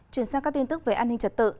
chuyển sang các tin tức về an ninh trật tự